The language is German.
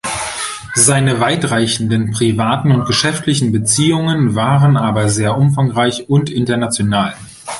Seine weitreichenden privaten und geschäftlichen Beziehungen waren aber sehr umfangreich und international.